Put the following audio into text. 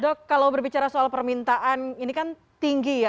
dok kalau berbicara soal permintaan ini kan tinggi ya